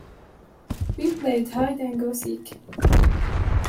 We played hide and go seek.